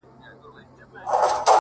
ما درته نه ويل لمنه به دي اور واخلي ته